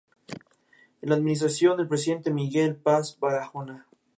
En la administración del Presidente Miguel Paz Barahona.